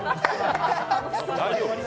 大丈夫？